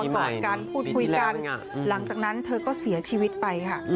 กอดกันพูดคุยกันหลังจากนั้นเธอก็เสียชีวิตไปค่ะ